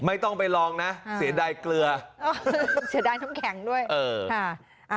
ไม่ต้องไปลองนะเสียดายเกลือเสียดายน้ำแข็งด้วยเออค่ะ